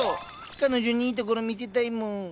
彼女にいいところ見せたいもん。